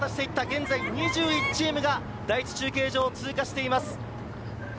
現在２１チームが第１中継所を通過しています。